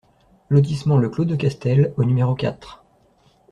Lotissement Le Clos de Castel au numéro quatre